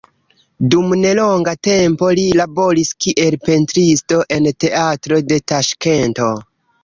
Dum nelonga tempo li laboris kiel pentristo en teatro de Taŝkento.